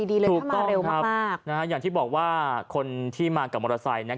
ถูกต้องครับอย่างที่บอกว่าคนที่มากับมอเตอร์ไซค์